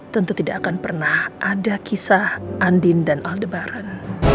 tentu tidak akan pernah ada kisah andin dan aldebaran